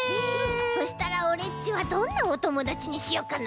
そしたらオレっちはどんなおともだちにしよっかな？